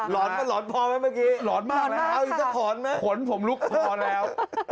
ค่ะหลอนพอไหมเมื่อกี้หลอนมากเลยครับอีกสักขอนไหมครับขนผมลุกพอแล้ว